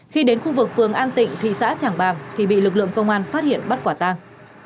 khi đến khu vực phường an tịnh thị xã trảng bàng thì bị lực lượng công an phát hiện bắt quả tang